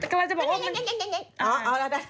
กำลังจะบอกว่า